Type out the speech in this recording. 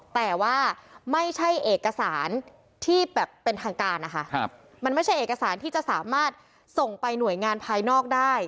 แต่ว่าไม่ใช่เอกสารที่แบบเป็นทางการนะคะมันไม่ใช่เอกสารที่จะสามารถส่งไปหน่วยงานภายนอกได้